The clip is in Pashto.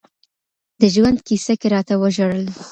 د ژوند كيسه كي راتـه وژړل